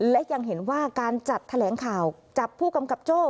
และยังเห็นว่าการจัดแถลงข่าวจับผู้กำกับโจ้